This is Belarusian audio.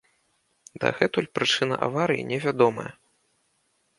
Дагэтуль прычына аварыі невядомая.